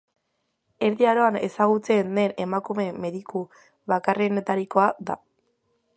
Erdi Aroan ezagutzen den emakume mediku bakarrenetarikoa da.